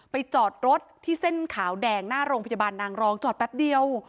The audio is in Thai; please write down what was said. จอดรถที่เส้นขาวแดงหน้าโรงพยาบาลนางรองจอดแป๊บเดียว